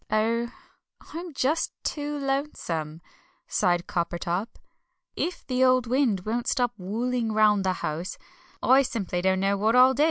"Oh, I'm just too lonesome!" sighed Coppertop, "if the old wind won't stop whooling round the house, I simply don't know what I'll do."